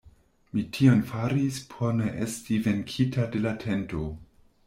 Mi tion faris, por ne esti venkita de la tento.